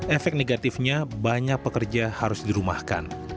efek negatifnya banyak pekerja harus dirumahkan